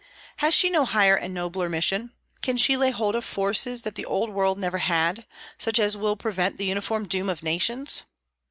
Has she no higher and nobler mission? Can she lay hold of forces that the Old World never had, such as will prevent the uniform doom of nations?